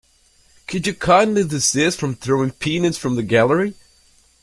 Could you kindly desist from throwing peanuts from the gallery?